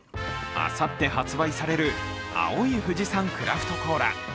あさって発売される青い富士山クラフトコーラ。